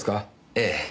ええ。